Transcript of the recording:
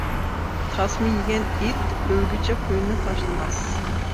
تاسما يېگەن ئىت ئۆلگۈچە خۇيىنى تاشلىماس.